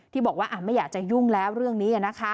ที่บอกว่าไม่อยากจะยุ่งแล้วเรื่องนี้